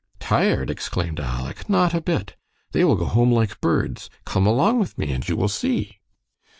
"Tired!" exclaimed Aleck, "not a bit. They will go home like birds. Come along with me, and you will see."